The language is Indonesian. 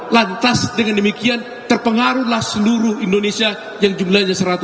lantas dengan demikian terpengaruhlah seluruh indonesia yang jumlahnya seratus